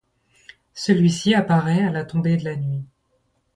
Celui-ci apparait à la tombée de la nuit.